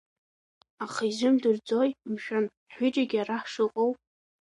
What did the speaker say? Аха изымдырӡои, мшәан, ҳҩыџьагьы араҟа ҳшыҟоу?